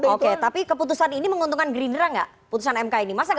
oke tapi keputusan ini menguntungkan gerindra tidak